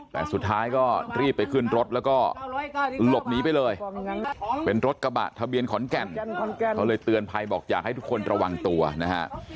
แต่สุดท้ายก็รีบไปขึ้นรถแล้วก็หลบหนีไปเลยเป็นรถกระบะทะเบียนขอนแก่นเขาเลยเตือนภัยบอกอยากให้ทุกคนระวังตัวนะฮะ